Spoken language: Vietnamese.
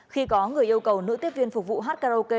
khi có người yêu cầu nữ tiếp viên phục vụ hát karaoke